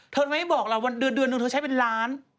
เธอไม่บอกเราเดือนนึงเธอใช้เป็นล้าน